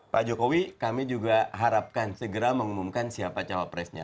pak jokowi kami juga harapkan segera mengumumkan siapa cawapresnya